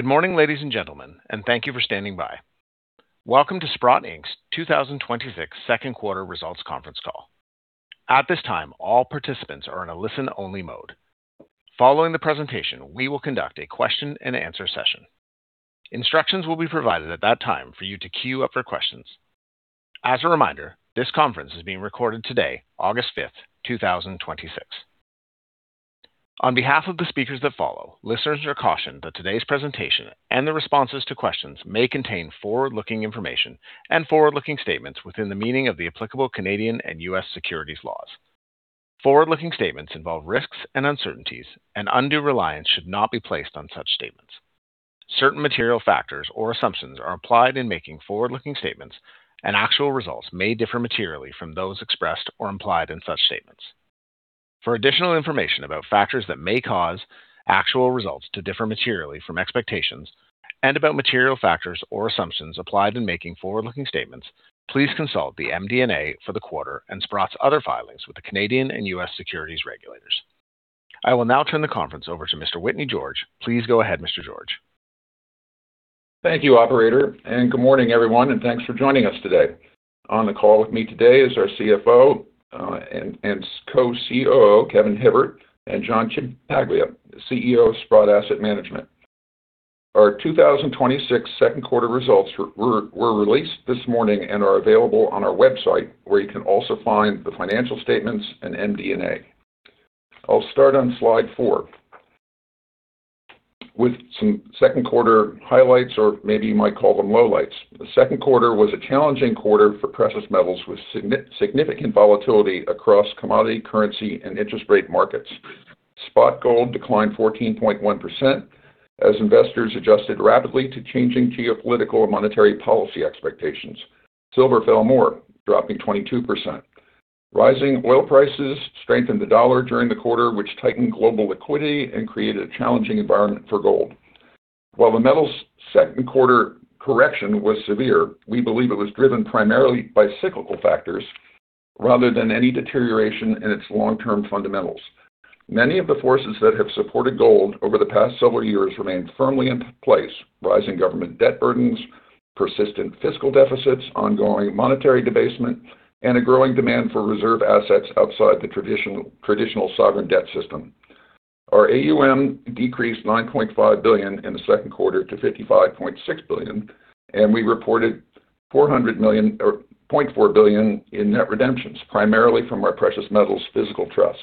Good morning, ladies and gentlemen, and thank you for standing by. Welcome to Sprott Inc.'s 2026 second quarter results conference call. At this time, all participants are in a listen-only mode. Following the presentation, we will conduct a question-and-answer session. Instructions will be provided at that time for you to queue up your questions. As a reminder, this conference is being recorded today, August 5th, 2026. On behalf of the speakers that follow, listeners are cautioned that today's presentation and the responses to questions may contain forward-looking information and forward-looking statements within the meaning of the applicable Canadian and U.S. securities laws. Forward-looking statements involve risks and uncertainties, and undue reliance should not be placed on such statements. Certain material factors or assumptions are applied in making forward-looking statements, and actual results may differ materially from those expressed or implied in such statements. For additional information about factors that may cause actual results to differ materially from expectations and about material factors or assumptions applied in making forward-looking statements, please consult the MD&A for the quarter and Sprott's other filings with the Canadian and U.S. securities regulators. I will now turn the conference over to Mr. Whitney George. Please go ahead, Mr. George. Thank you, operator. Good morning, everyone, and thanks for joining us today. On the call with me today is our CFO and Co-COO, Kevin Hibbert, and John Ciampaglia, CEO of Sprott Asset Management. Our 2026 second quarter results were released this morning and are available on our website, where you can also find the financial statements and MD&A. I'll start on slide four with some second quarter highlights, or maybe you might call them lowlights. The second quarter was a challenging quarter for precious metals, with significant volatility across commodity, currency, and interest rate markets. Spot gold declined 14.1% as investors adjusted rapidly to changing geopolitical and monetary policy expectations. Silver fell more, dropping 22%. Rising oil prices strengthened the dollar during the quarter, which tightened global liquidity and created a challenging environment for gold. While the metal's second quarter correction was severe, we believe it was driven primarily by cyclical factors rather than any deterioration in its long-term fundamentals. Many of the forces that have supported gold over the past several years remain firmly in place. Rising government debt burdens, persistent fiscal deficits, ongoing monetary debasement, and a growing demand for reserve assets outside the traditional sovereign debt system. Our AUM decreased 9.5 billion in the second quarter to 55.6 billion, and we reported 400 million, or 0.4 billion in net redemptions, primarily from our precious metals physical trust.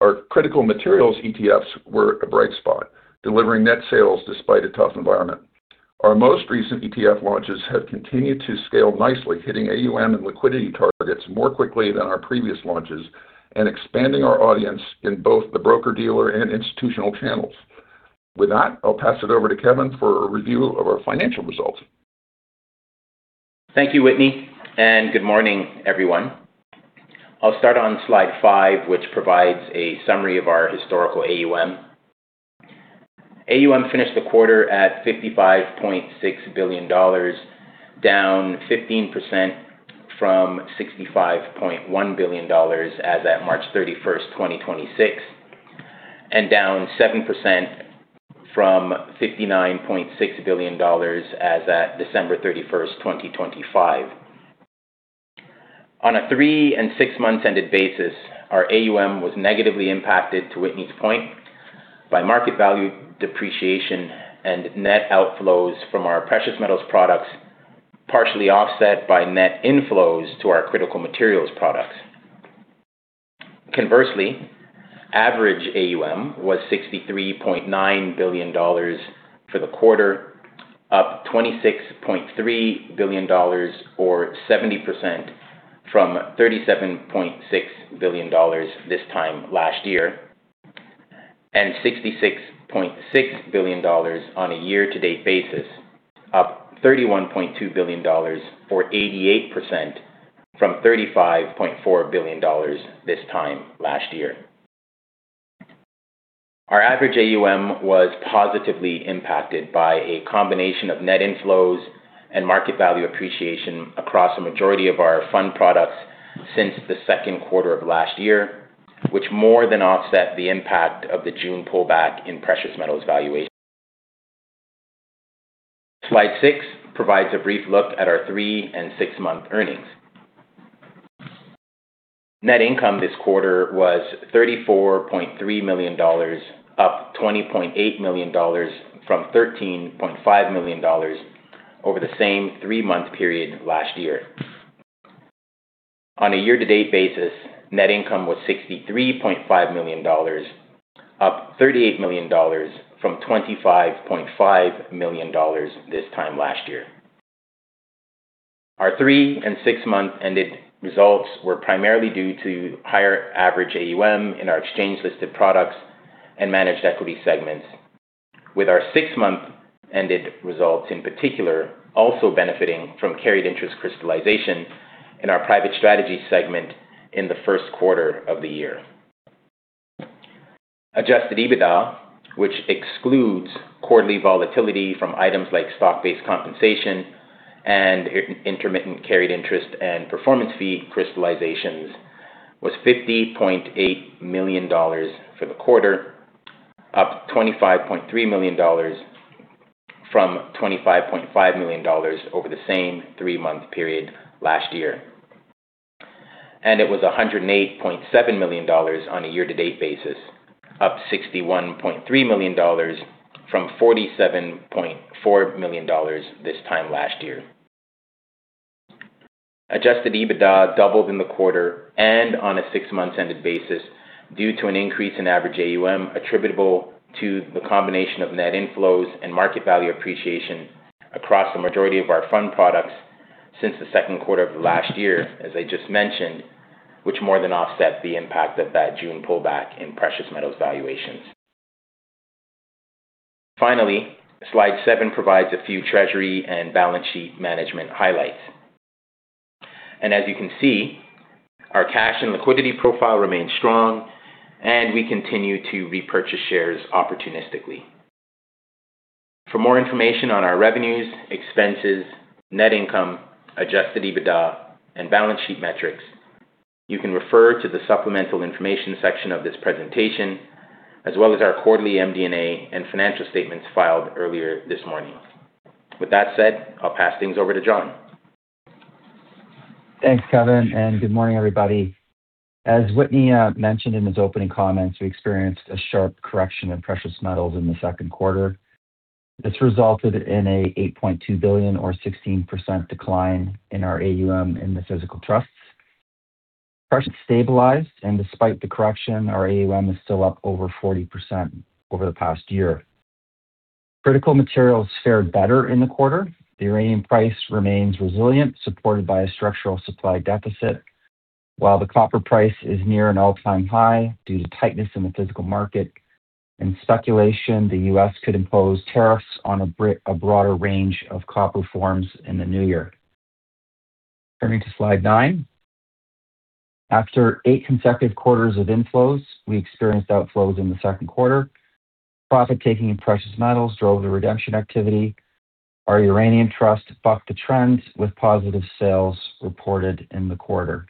Our critical materials ETFs were a bright spot, delivering net sales despite a tough environment. Our most recent ETF launches have continued to scale nicely, hitting AUM and liquidity targets more quickly than our previous launches and expanding our audience in both the broker-dealer and institutional channels. With that, I'll pass it over to Kevin for a review of our financial results. Thank you, Whitney, and good morning, everyone. I'll start on slide five, which provides a summary of our historical AUM. AUM finished the quarter at 55.6 billion dollars, down 15% from 65.1 billion dollars as at March 31st, 2026, and down 7% from 59.6 billion dollars as at December 31st, 2025. On a three and six-month ended basis, our AUM was negatively impacted, to Whitney's point, by market value depreciation and net outflows from our precious metals products, partially offset by net inflows to our critical materials products. Conversely, average AUM was 63.9 billion dollars for the quarter, up 26.3 billion dollars, or 70%, from 37.6 billion dollars this time last year, and 66.6 billion dollars on a year-to-date basis, up 31.2 billion dollars, or 88%, from 35.4 billion dollars this time last year. Our average AUM was positively impacted by a combination of net inflows and market value appreciation across the majority of our fund products since the second quarter of last year, which more than offset the impact of the June pullback in precious metals valuation. Slide six provides a brief look at our three and six-month earnings. Net income this quarter was 34.3 million dollars, up 20.8 million dollars from 13.5 million dollars over the same three-month period last year. On a year-to-date basis, net income was 63.5 million dollars, up 38 million dollars from 25.5 million dollars this time last year. Our three and six-month ended results were primarily due to higher average AUM in our exchange-listed products and managed equity segments, with our six-month ended results, in particular, also benefiting from carried interest crystallization in our private strategy segment in the first quarter of the year. Adjusted EBITDA, which excludes quarterly volatility from items like stock-based compensation and intermittent carried interest and performance fee crystallizations was 50.8 million dollars for the quarter, up 25.3 million dollars from 25.5 million dollars over the same three-month period last year. It was 108.7 million dollars on a year-to-date basis, up 61.3 million dollars from 47.4 million dollars this time last year. Adjusted EBITDA doubled in the quarter and on a six-month-ended basis due to an increase in average AUM attributable to the combination of net inflows and market value appreciation across the majority of our fund products since the second quarter of last year, as I just mentioned, which more than offset the impact of that June pullback in precious metals valuations. Slide seven provides a few treasury and balance sheet management highlights. As you can see, our cash and liquidity profile remains strong, and we continue to repurchase shares opportunistically. For more information on our revenues, expenses, net income, adjusted EBITDA, and balance sheet metrics, you can refer to the supplemental information section of this presentation, as well as our quarterly MD&A and financial statements filed earlier this morning. With that said, I'll pass things over to John. Thanks, Kevin, and good morning, everybody. As Whitney mentioned in his opening comments, we experienced a sharp correction in precious metals in the second quarter. This resulted in a 8.2 billion or 16% decline in our AUM in the physical trusts. Prices stabilized. Despite the correction, our AUM is still up over 40% over the past year. Critical materials fared better in the quarter. The uranium price remains resilient, supported by a structural supply deficit. While the copper price is near an all-time high due to tightness in the physical market and speculation the U.S. could impose tariffs on a broader range of copper forms in the new year. Turning to slide nine. After eight consecutive quarters of inflows, we experienced outflows in the second quarter. Profit-taking in precious metals drove the redemption activity. Our Uranium Trust bucked the trends, with positive sales reported in the quarter.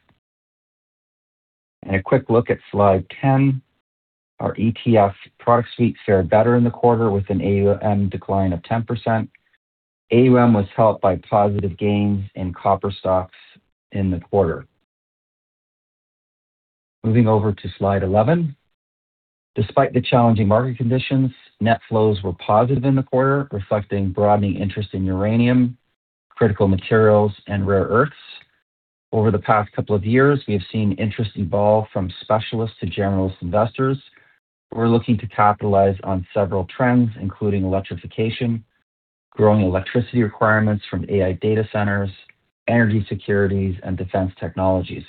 A quick look at slide 10. Our ETF product suite fared better in the quarter with an AUM decline of 10%. AUM was helped by positive gains in copper stocks in the quarter. Moving over to slide 11. Despite the challenging market conditions, net flows were positive in the quarter, reflecting broadening interest in uranium, critical materials, and rare earths. Over the past couple of years, we have seen interest evolve from specialists to generalist investors who are looking to capitalize on several trends, including electrification, growing electricity requirements from AI data centers, energy securities, and defense technologies.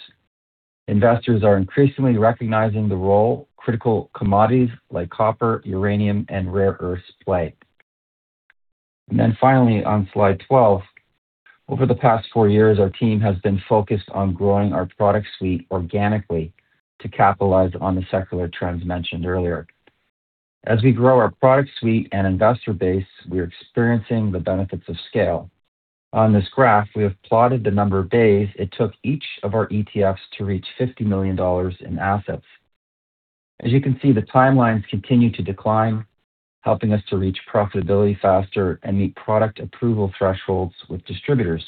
Investors are increasingly recognizing the role critical commodities like copper, uranium, and rare earths play. Finally, on slide 12, over the past four years, our team has been focused on growing our product suite organically to capitalize on the secular trends mentioned earlier. As we grow our product suite and investor base, we are experiencing the benefits of scale. On this graph, we have plotted the number of days it took each of our ETFs to reach 50 million dollars in assets. As you can see, the timelines continue to decline, helping us to reach profitability faster and meet product approval thresholds with distributors.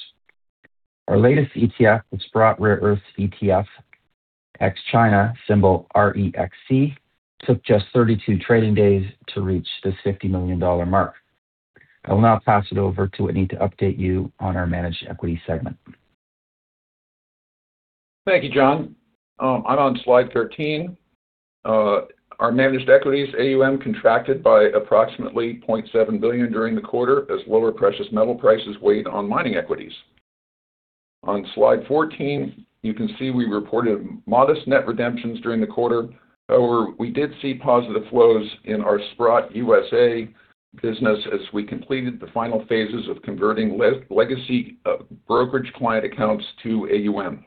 Our latest ETF, the Sprott Rare Earths ETF Ex-China, symbol REXC, took just 32 trading days to reach this 50 million dollar mark. I will now pass it over to Whitney to update you on our managed equity segment. Thank you, John. I'm on slide 13. Our managed equities AUM contracted by approximately 0.7 billion during the quarter as lower precious metal prices weighed on mining equities. On slide 14, you can see we reported modest net redemptions during the quarter. We did see positive flows in our Sprott U.S. business as we completed the final phases of converting legacy brokerage client accounts to AUM.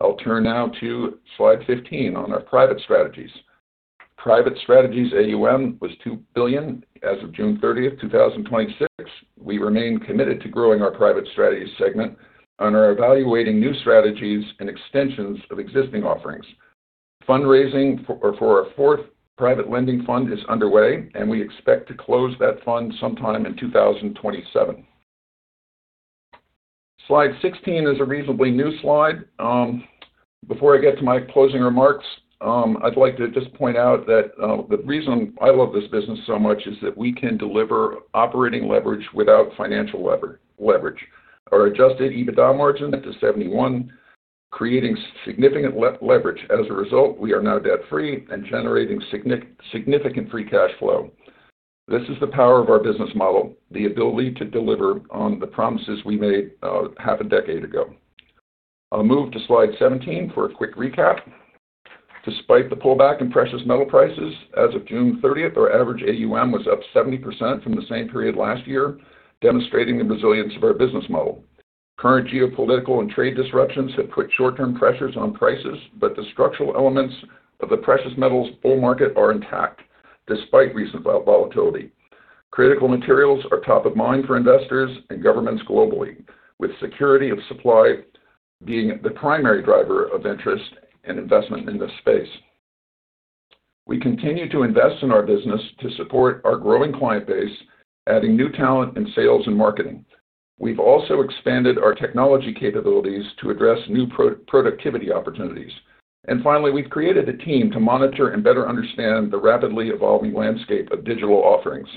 I'll turn now to slide 15 on our private strategies. Private strategies AUM was 2 billion as of June 30th, 2026. We remain committed to growing our private strategies segment and are evaluating new strategies and extensions of existing offerings. Fundraising for our fourth private lending fund is underway. We expect to close that fund sometime in 2027. Slide 16 is a reasonably new slide. Before I get to my closing remarks, I'd like to just point out that the reason I love this business so much is that we can deliver operating leverage without financial leverage. Our adjusted EBITDA margin is 71%, creating significant leverage. As a result, we are now debt-free and generating significant free cash flow. This is the power of our business model, the ability to deliver on the promises we made half a decade ago. I'll move to slide 17 for a quick recap. Despite the pullback in precious metal prices, as of June 30th, our average AUM was up 70% from the same period last year, demonstrating the resilience of our business model. Current geopolitical and trade disruptions have put short-term pressures on prices. The structural elements of the precious metals bull market are intact despite recent volatility. Critical materials are top of mind for investors and governments globally, with security of supply being the primary driver of interest and investment in this space. We continue to invest in our business to support our growing client base, adding new talent in sales and marketing. We've also expanded our technology capabilities to address new productivity opportunities. Finally, we've created a team to monitor and better understand the rapidly evolving landscape of digital offerings.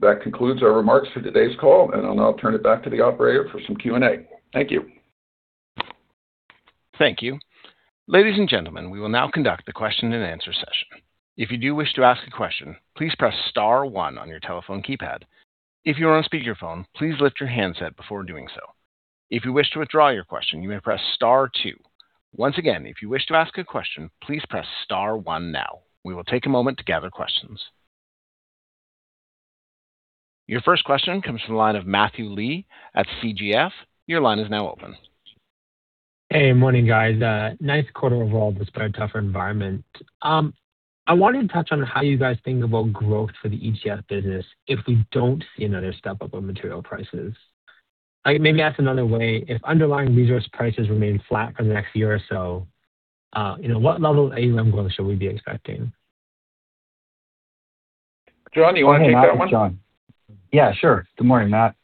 That concludes our remarks for today's call. I'll now turn it back to the operator for some Q&A. Thank you. Thank you. Ladies and gentlemen, we will now conduct the question-and-answer session. If you do wish to ask a question, please press star one on your telephone keypad. If you are on speakerphone, please lift your handset before doing so. If you wish to withdraw your question, you may press star two. Once again, if you wish to ask a question, please press star one now. We will take a moment to gather questions. Your first question comes from the line of Matthew Lee at CGF. Your line is now open. Hey, morning guys. Nice quarter overall despite a tougher environment. I wanted to touch on how you guys think about growth for the ETF business if we don't see another step-up on material prices. Maybe ask another way, if underlying resource prices remain flat for the next year or so, what level of AUM growth should we be expecting? John, you want to take that one? Hey, Matt. It's John. Yeah, sure. Good morning, Matt.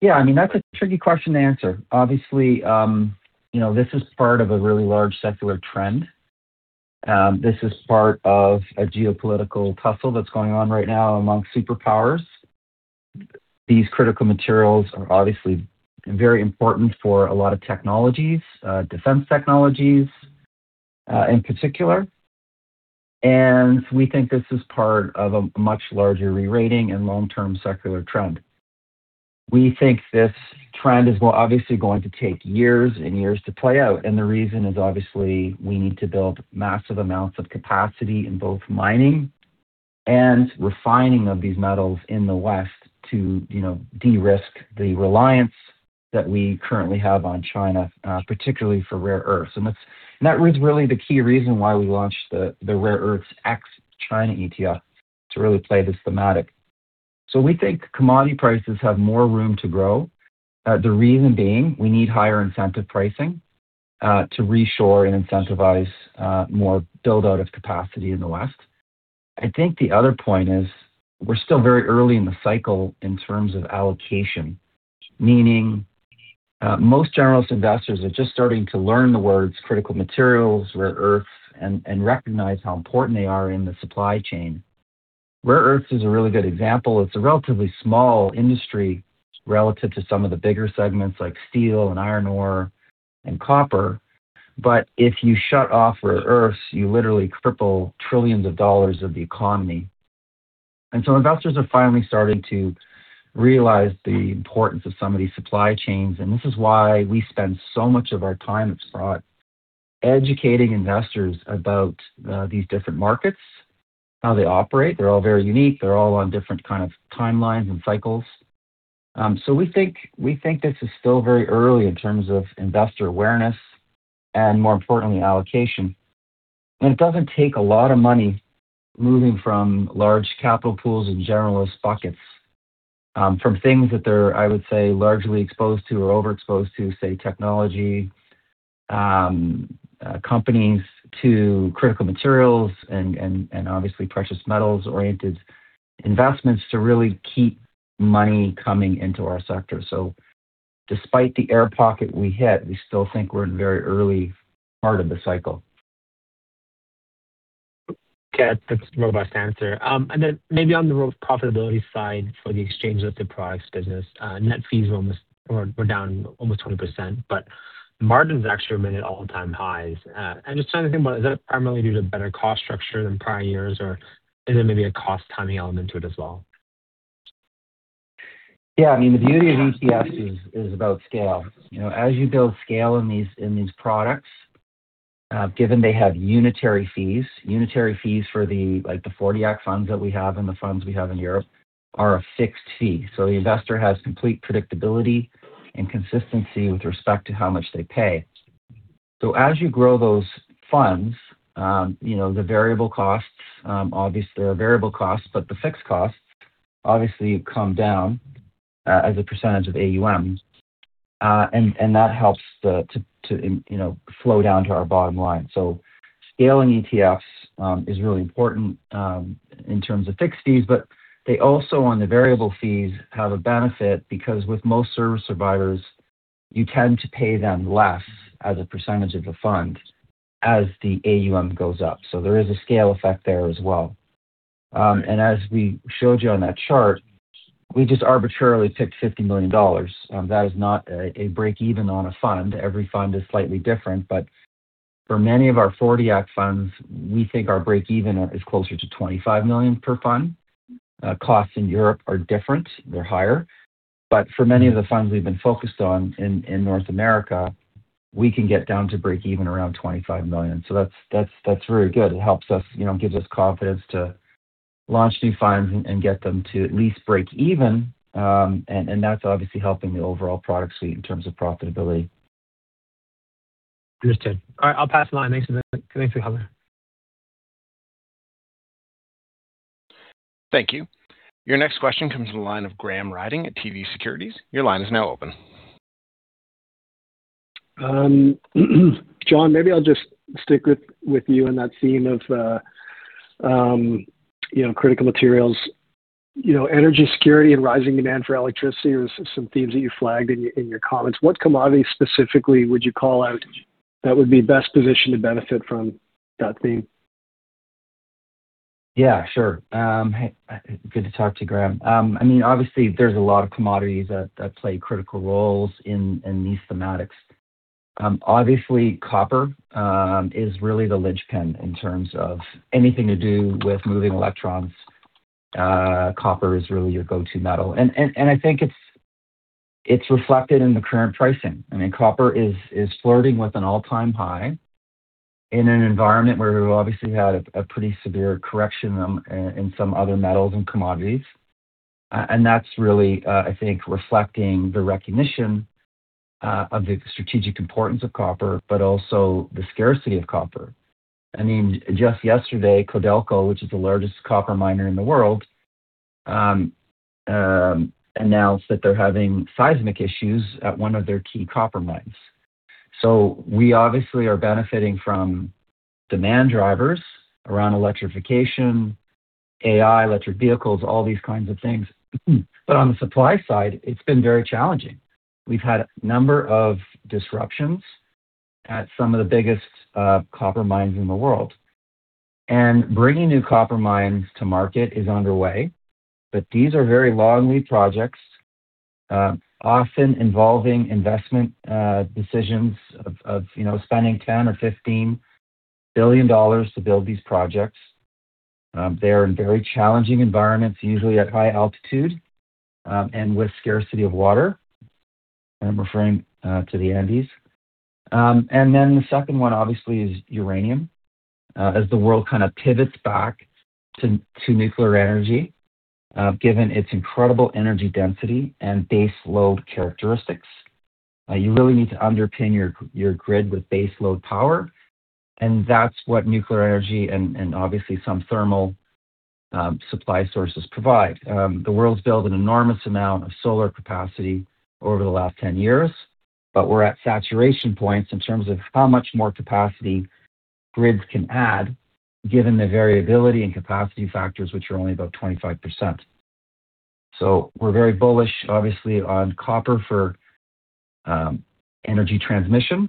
Yeah, that's a tricky question to answer. Obviously, this is part of a really large secular trend. This is part of a geopolitical tussle that's going on right now amongst superpowers. These critical materials are obviously very important for a lot of technologies, defense technologies in particular. We think this is part of a much larger re-rating and long-term secular trend. We think this trend is obviously going to take years and years to play out, the reason is obviously we need to build massive amounts of capacity in both mining and refining of these metals in the West to de-risk the reliance that we currently have on China, particularly for rare earths. That was really the key reason why we launched the Rare Earths Ex-China ETF to really play this thematic. We think commodity prices have more room to grow, the reason being we need higher incentive pricing to reshore and incentivize more build-out of capacity in the West. I think the other point is we're still very early in the cycle in terms of allocation, meaning most generalist investors are just starting to learn the words critical materials, rare earths, and recognize how important they are in the supply chain. Rare earths is a really good example. It's a relatively small industry relative to some of the bigger segments like steel and iron ore and copper. If you shut off rare earths, you literally cripple trillions of dollars of the economy. Investors are finally starting to realize the importance of some of these supply chains, and this is why we spend so much of our time at Sprott educating investors about these different markets, how they operate. They are all very unique. They are all on different kind of timelines and cycles. We think this is still very early in terms of investor awareness and, more importantly, allocation. It does not take a lot of money moving from large capital pools and generalist buckets from things that they are. I would say, largely exposed to or overexposed to, say, technology companies, to critical materials and obviously precious metals-oriented investments to really keep money coming into our sector. Despite the air pocket we hit, we still think we are in a very early part of the cycle. Okay. That is a robust answer. Then maybe on the profitability side for the exchange-listed products business, net fees were down almost 20%, but margins actually were at all-time highs. I am just trying to think about, is that primarily due to better cost structure than prior years, or is there maybe a cost-timing element to it as well? Yeah. The beauty of ETFs is about scale. As you build scale in these products, given they have unitary fees, unitary fees for the '40 Act funds that we have and the funds we have in Europe are a fixed fee. The investor has complete predictability and consistency with respect to how much they pay. As you grow those funds, the variable costs, obviously they are variable costs, but the fixed costs obviously come down as a percentage of AUM. That helps to flow down to our bottom line. Scaling ETFs is really important in terms of fixed fees, but they also, on the variable fees, have a benefit because with most service providers, you tend to pay them less as a percentage of the fund as the AUM goes up. There is a scale effect there as well. As we showed you on that chart, we just arbitrarily picked 50 million dollars. That is not a break even on a fund. Every fund is slightly different. But for many of our '40 Act funds, we think our break even is closer to 25 million per fund. Costs in Europe are different. They are higher. But for many of the funds we have been focused on in North America, we can get down to break even around 25 million. That is very good. It gives us confidence to launch new funds and get them to at least break even. That is obviously helping the overall product suite in terms of profitability. Understood. All right, I'll pass the line. Thanks for the call. Thank you. Your next question comes from the line of Graham Ryding at TD Securities. Your line is now open. John, maybe I'll just stick with you in that theme of critical materials. Energy security and rising demand for electricity are some themes that you flagged in your comments. What commodity specifically would you call out that would be best positioned to benefit from that theme? Yeah, sure. Good to talk to you, Graham. Obviously, there's a lot of commodities that play critical roles in these thematics. Obviously, copper is really the linchpin in terms of anything to do with moving electrons. Copper is really your go-to metal, and I think it's reflected in the current pricing. Copper is flirting with an all-time high in an environment where we've obviously had a pretty severe correction in some other metals and commodities. That's really, I think, reflecting the recognition of the strategic importance of copper, but also the scarcity of copper. Just yesterday, Codelco, which is the largest copper miner in the world, announced that they're having seismic issues at one of their key copper mines. We obviously are benefiting from demand drivers around electrification, AI, electric vehicles, all these kinds of things. On the supply side, it's been very challenging. We've had a number of disruptions at some of the biggest copper mines in the world. Bringing new copper mines to market is underway, but these are very long lead projects, often involving investment decisions of spending 10 billion or 15 billion dollars to build these projects. They are in very challenging environments, usually at high altitude, and with scarcity of water. I'm referring to the Andes. The second one, obviously, is uranium, as the world kind of pivots back to nuclear energy, given its incredible energy density and base load characteristics. You really need to underpin your grid with base load power, and that's what nuclear energy and obviously some thermal supply sources provide. The world's built an enormous amount of solar capacity over the last 10 years. We're at saturation points in terms of how much more capacity grids can add, given the variability in capacity factors, which are only about 25%. We're very bullish, obviously, on copper for energy transmission,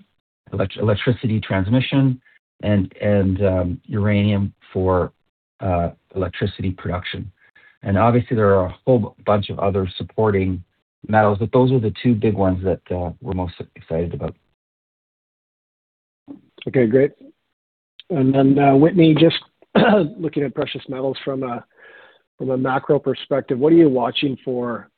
electricity transmission, and uranium for electricity production. Obviously, there are a whole bunch of other supporting metals, but those are the two big ones that we're most excited about. Okay, great. Whitney, just looking at precious metals from a macro perspective, what are you watching for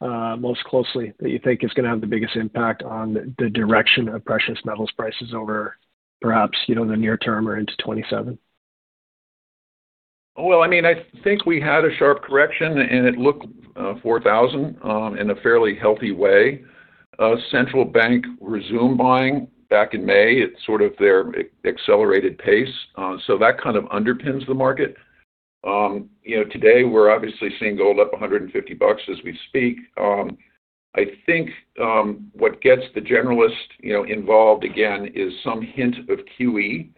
most closely that you think is going to have the biggest impact on the direction of precious metals prices over perhaps the near term or into 2027? Well, I think we had a sharp correction in at look 4,000 in a fairly healthy way. Central Bank resumed buying back in May at sort of their accelerated pace. That kind of underpins the market. Today, we're obviously seeing gold up 150 bucks as we speak. I think what gets the generalist involved again is some hint of QE.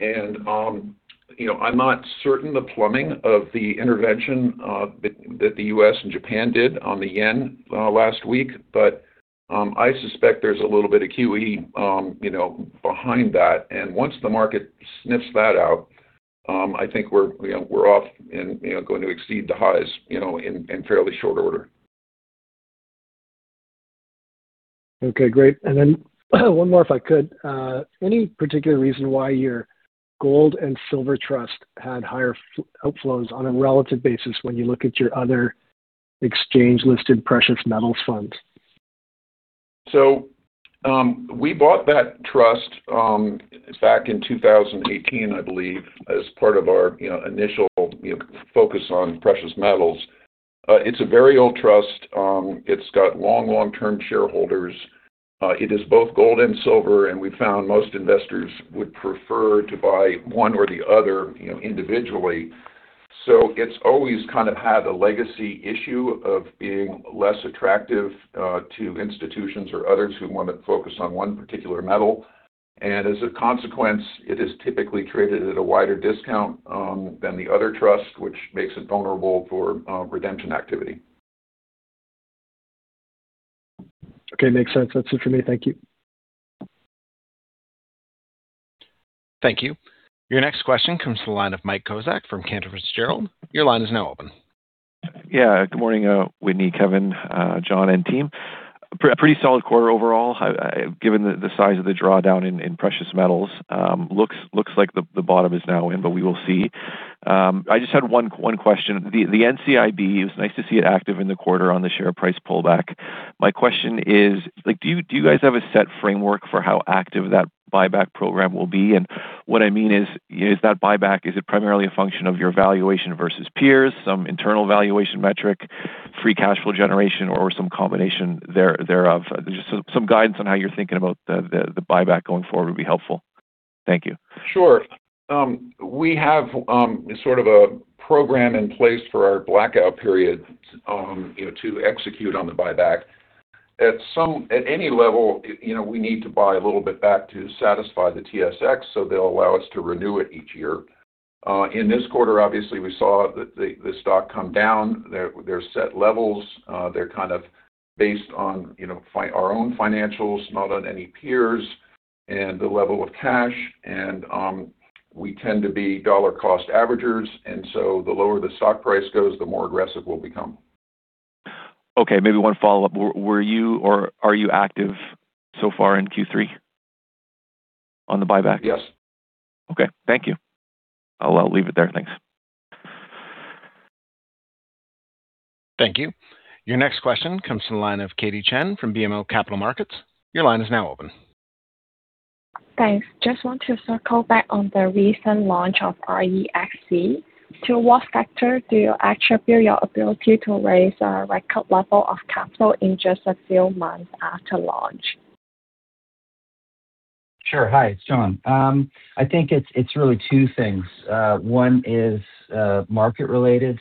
I'm not certain the plumbing of the intervention that the U.S. and Japan did on the yen last week, but I suspect there's a little bit of QE behind that. Once the market sniffs that out, I think we're off and going to exceed the highs in fairly short order. Okay, great. One more, if I could. Any particular reason why your gold and silver trust had higher outflows on a relative basis when you look at your other exchange-listed precious metal funds? We bought that trust back in 2018, I believe, as part of our initial focus on precious metals. It's a very old trust. It's got long-term shareholders. It is both gold and silver, we found most investors would prefer to buy one or the other individually. It's always kind of had a legacy issue of being less attractive to institutions or others who want to focus on one particular metal. As a consequence, it is typically traded at a wider discount than the other trust, which makes it vulnerable for redemption activity. Okay. Makes sense. That's it for me. Thank you. Thank you. Your next question comes to the line of Mike Kozak from Cantor Fitzgerald. Your line is now open. Yeah. Good morning, Whitney, Kevin, John, and team. Pretty solid quarter overall, given the size of the drawdown in precious metals. Looks like the bottom is now in, but we will see. I just had one question. The NCIB, it was nice to see it active in the quarter on the share price pullback. My question is, do you guys have a set framework for how active that buyback program will be? What I mean is, that buyback, is it primarily a function of your valuation versus peers, some internal valuation metric? Free cash flow generation or some combination thereof. Just some guidance on how you're thinking about the buyback going forward would be helpful. Thank you. Sure. We have sort of a program in place for our blackout period to execute on the buyback. At any level, we need to buy a little bit back to satisfy the TSX, so they'll allow us to renew it each year. In this quarter, obviously, we saw the stock come down. There are set levels. They're kind of based on our own financials, not on any peers and the level of cash. We tend to be dollar cost averagers, and so the lower the stock price goes, the more aggressive we'll become. Okay. Maybe one follow-up. Were you or are you active so far in Q3 on the buyback? Yes. Okay. Thank you. I'll leave it there. Thanks. Thank you. Your next question comes from the line of Katy Chen from BMO Capital Markets. Your line is now open. Thanks. Just want to circle back on the recent launch of REXC. To what factor do you attribute your ability to raise a record level of capital in just a few months after launch? Sure. Hi, it's John. I think it's really two things. One is market related.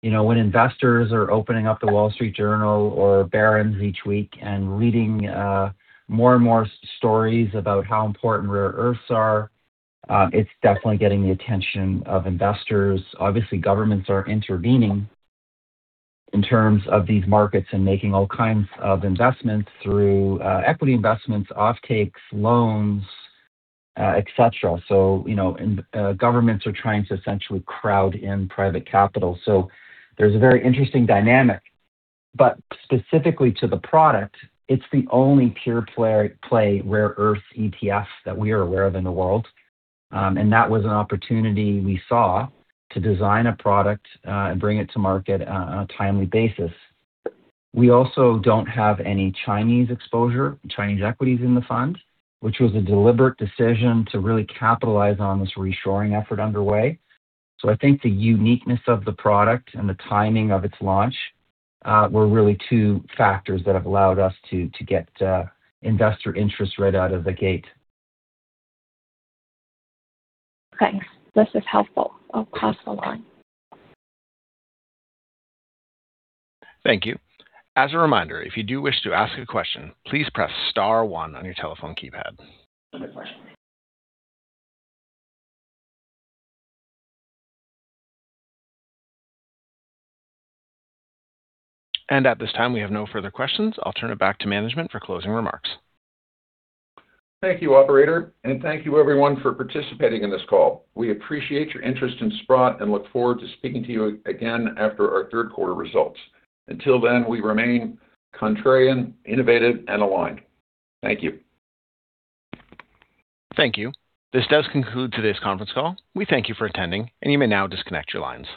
When investors are opening up The Wall Street Journal or Barron's each week and reading more and more stories about how important rare earths are, it's definitely getting the attention of investors. Governments are intervening in terms of these markets and making all kinds of investments through equity investments, offtakes, loans, etc. Governments are trying to essentially crowd in private capital. There's a very interesting dynamic. Specifically to the product, it's the only pure play rare earth ETF that we are aware of in the world. That was an opportunity we saw to design a product and bring it to market on a timely basis. We also don't have any Chinese exposure, Chinese equities in the fund, which was a deliberate decision to really capitalize on this reshoring effort underway. I think the uniqueness of the product and the timing of its launch were really two factors that have allowed us to get investor interest right out of the gate. Okay. This is helpful. I'll pass the line. Thank you. As a reminder, if you do wish to ask a question, please press star one on your telephone keypad. At this time, we have no further questions. I'll turn it back to management for closing remarks. Thank you, operator, and thank you everyone for participating in this call. We appreciate your interest in Sprott and look forward to speaking to you again after our third quarter results. Until then, we remain contrarian, innovative, and aligned. Thank you. Thank you. This does conclude today's conference call. We thank you for attending, and you may now disconnect your lines